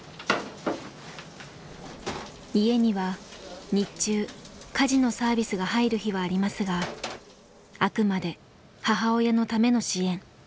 家には日中家事のサービスが入る日はありますがあくまで母親のための支援。